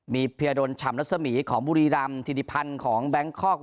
มีเพียดลฉ่ำรัศมีของบุรีรำธิริพันธ์ของแบงคอก